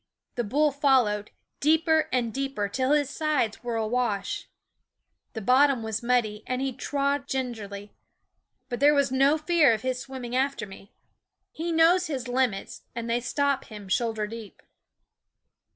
The bull followed, deeper and deeper, till his sides were awash. The bottom was muddy, and he trod gin gerly; but there was no fear of his swim ming after me. He knows his limits, and they stop him shoulder deep.